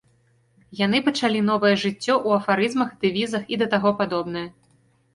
Яны пачалі новае жыццё ў афарызмах, дэвізах і да таго падобнае.